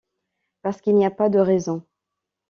Parce qu'il n'y a pas de raisons.